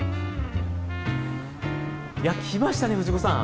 やっ来ましたね藤子さん！